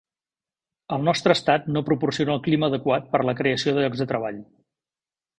El nostre estat no proporciona el clima adequat per a la creació de llocs de treball.